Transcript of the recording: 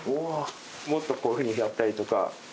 もっとこういうふうにやったりとか。